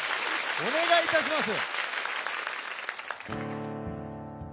お願いいたします。